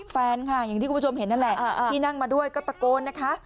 แฟนค่ะอย่างที่คุณผู้ชมเห็นนั่นแหละที่นั่งมาด้วยก็ตะโกนนะคะ